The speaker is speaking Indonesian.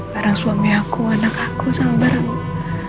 bareng suami aku anak aku sama bareng